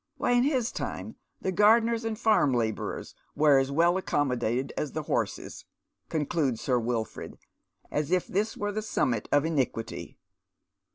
Why, in his time the gardeners and fai m labourers were as well accommodated as the horses," concludes Sir Wilford, as if this were the summit of iniquity.